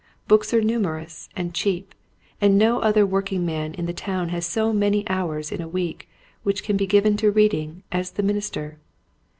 Books are numerous and cheap and no other working man in the town has so many hours in a week which can be given to reading as the min ister.